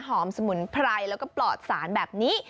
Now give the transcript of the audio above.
สมุนไพรแล้วก็ปลอดสารแบบนี้